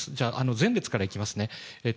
前列からいきますね。